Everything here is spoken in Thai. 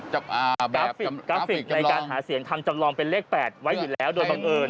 กราฟิกกราฟิกในการหาเสียงทำจำลองเป็นเลข๘ไว้อยู่แล้วโดยบังเอิญ